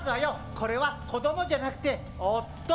これは子どもじゃなくて夫。